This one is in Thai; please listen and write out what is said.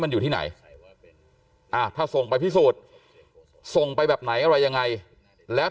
มันอยู่ที่ไหนถ้าส่งไปพิสูจน์ส่งไปแบบไหนอะไรยังไงแล้ว